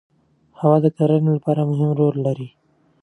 هوا د کرنې لپاره مهم رول لري